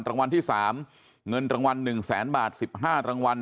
รางวัลที่๓เงินรางวัล๑แสนบาท๑๕รางวัล